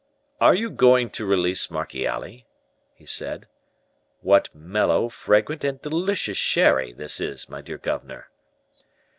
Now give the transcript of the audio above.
"Are you going to release Marchiali?" he said. "What mellow, fragrant and delicious sherry this is, my dear governor."